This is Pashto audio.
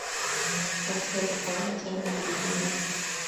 وسله د قانون سره محدودېږي